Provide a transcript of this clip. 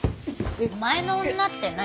「前の女」って何？